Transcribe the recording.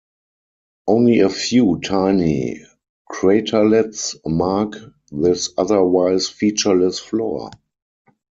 Only a few tiny craterlets mark this otherwise featureless floor.